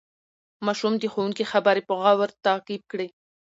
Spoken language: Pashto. ماشوم د ښوونکي خبرې په غور تعقیب کړې